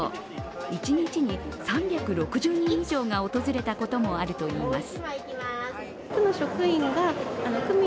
一日に３６０人以上が訪れたこともあるといいます。